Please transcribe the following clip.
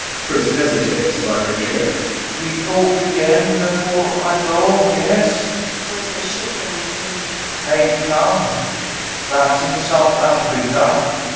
CHRIS hesitates by her chair.] Ve talk again before Ay go, yes? ANNA [Dully.] Where's this ship going to? CHRIS Cape Town. Dat's in South Africa.